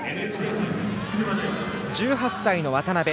１８歳の渡部。